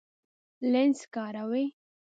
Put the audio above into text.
لینز کاروئ؟